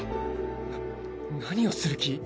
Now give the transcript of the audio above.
な何をする気？